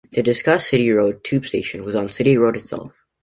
The disused City Road tube station was on City Road itself.